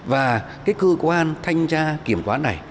và cái cơ quan thanh tra kiểm toán này